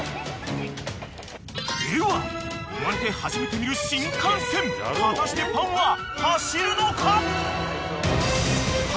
［では生まれて初めて見る新幹線果たしてパンは走るのか？］